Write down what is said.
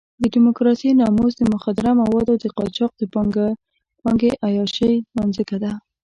د ډیموکراسۍ ناموس د مخدره موادو د قاچاق د پانګې عیاشۍ نانځکه ده.